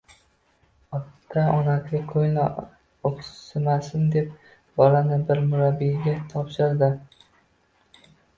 Ota-onasi koʻngli oʻksimasin deb bolani bir murabbiyga topshirdi